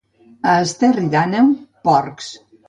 A Esterri d'Àneu, porcs.